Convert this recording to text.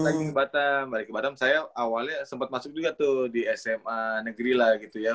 saya balik lagi ke batang balik ke batang saya awalnya sempet masuk juga tuh di sma negeri lah gitu ya